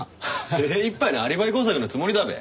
精いっぱいのアリバイ工作のつもりだべ。